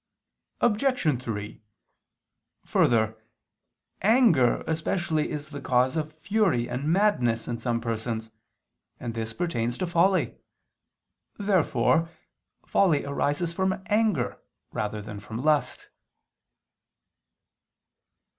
Obj. 3: Further, anger especially is the cause of fury and madness in some persons; and this pertains to folly. Therefore folly arises from anger rather than from lust.